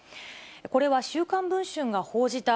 これは週刊文春が報じた、